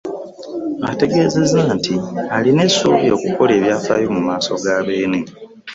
Ategeezezza nti alina essuubi okukola ebyafaayo mu maaso ga Beene